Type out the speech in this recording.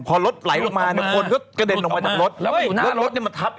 พอรถไหลลงมาเนี่ยคนก็กระเด็นออกมาจากรถ